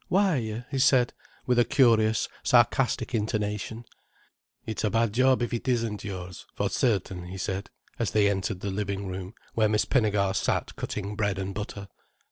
"Why?" he said, with a curious, sarcastic intonation. "It's a bad job it isn't yours, for certain," he said, as they entered the living room, where Miss Pinnegar sat cutting bread and butter.